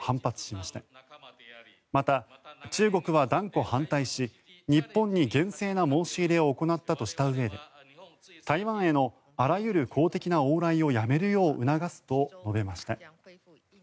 また、中国は断固反対し日本に厳正な申し入れを行ったとしたうえで台湾へのあらゆる公的な往来をやめるよう促すと述べました。